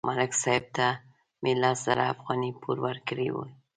ملک صاحب ته مې لس زره افغانۍ پور ورکړې وې